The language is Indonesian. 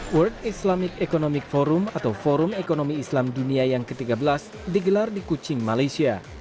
world islamic economic forum atau forum ekonomi islam dunia yang ke tiga belas digelar di kuching malaysia